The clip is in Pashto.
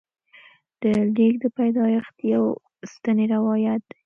د لیک د پیدایښت یو سنتي روایت دی.